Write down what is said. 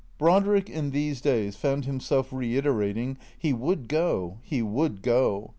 Brodriek, in these days, found himself reiterating, " He would go, he would go."